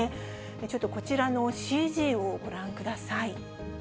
ちょっとこちらのＣＧをご覧ください。